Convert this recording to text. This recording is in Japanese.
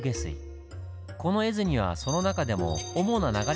この絵図にはその中でも主な流れが描かれています。